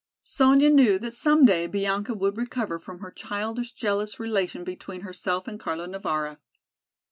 Sonya knew that some day Bianca would recover from her childish jealous relation between herself and Carlo Navara.